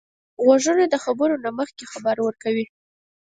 غوږونه د خبرو نه مخکې خبر ورکوي